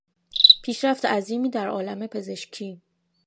پیشرفت عظیمی در عالم پزشکی